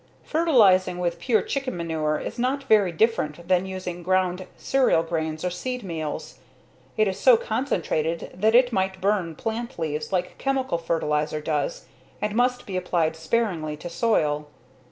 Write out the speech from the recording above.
Fertilizing with pure chicken manure is not very different than using ground cereal grains or seed meals. It is so concentrated that it might burn plant leaves like chemical fertilizer does and must be applied sparingly to soil.